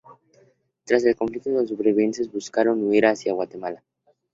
Tras el conflicto, los supervivientes buscaron huir hacia Guatemala.